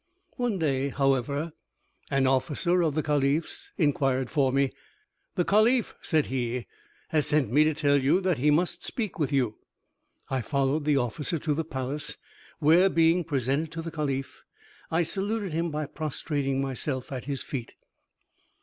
One day, however, an officer of the caliph's inquired for me. "The caliph," said he, "has sent me to tell you that he must speak with you." I followed the officer to the palace, where, being presented to the caliph, I saluted him by prostrating myself at his feet.